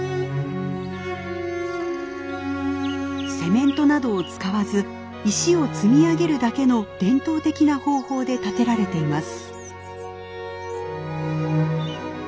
セメントなどを使わず石を積み上げるだけの伝統的な方法で建てられています。